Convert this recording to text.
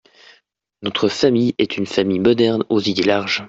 Notre famille est une famille moderne aux idées larges.